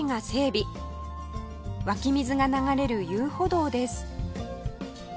湧き水が流れる遊歩道です